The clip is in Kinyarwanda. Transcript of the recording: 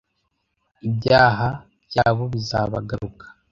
Ibyaha byabo bizabagaruka